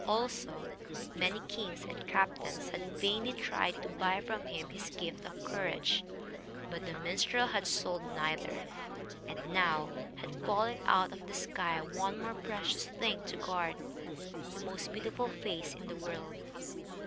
Also, many kings and captains had vainly tried to buy from him his gift of courage. But the minstrel had sold neither. And now had fallen out of the sky one more precious thing to guard the most beautiful face in the world.